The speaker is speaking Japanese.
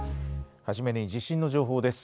初めに地震の情報です。